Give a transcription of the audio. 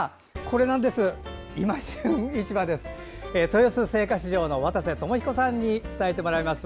豊洲青果市場の渡瀬智彦さんに伝えてもらいます。